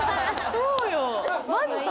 そうよ。